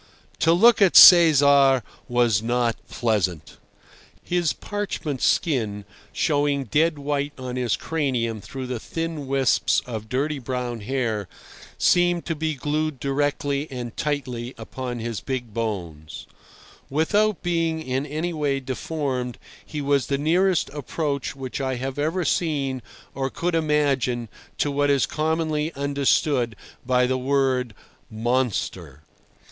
To look at Cesar was not pleasant. His parchment skin, showing dead white on his cranium through the thin wisps of dirty brown hair, seemed to be glued directly and tightly upon his big bones, Without being in any way deformed, he was the nearest approach which I have ever seen or could imagine to what is commonly understood by the word "monster."